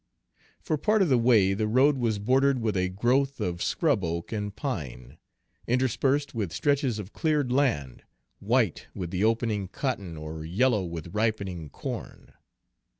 For part of the way the road was bordered with a growth of scrub oak and pine, interspersed with stretches of cleared land, white with the opening cotton or yellow with ripening corn.